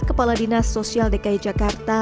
kepala dinas sosial dki jakarta